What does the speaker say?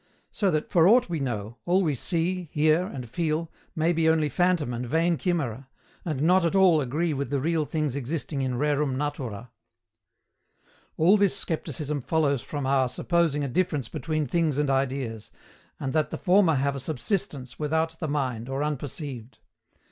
So that, for aught we know, all we see, hear, and feel may be only phantom and vain chimera, and not at all agree with the real things existing in rerum natura. All this scepticism follows from our supposing a difference between things and ideas, and that the former have a subsistence without the mind or unperceived.